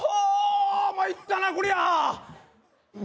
まいったなこりゃ！